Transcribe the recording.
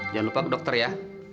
jangan lupa dokter ya